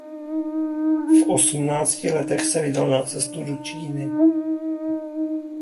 V osmnácti letech se vydal na cestu do Číny.